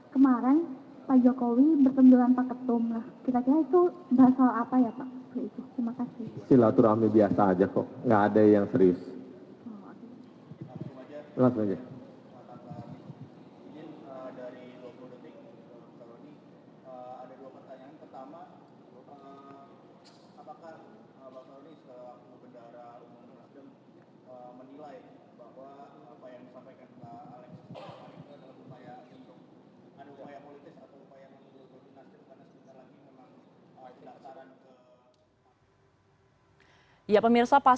kedua ya pak